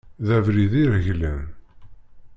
D abrid ireglen.